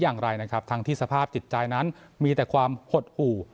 อย่างไรนะครับทั้งที่สภาพจิตใจนั้นมีแต่ความหดหู่